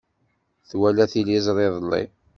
Twala tiliẓri iḍelli.